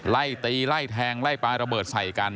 ไล่ตีไล่แทงไล่ปลาระเบิดใส่กัน